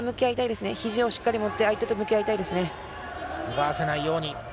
肘をしっかり持って相手と向き合いたいですね。